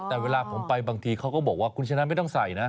แต่เวลาผมไปบางทีเขาก็บอกว่าคุณชนะไม่ต้องใส่นะ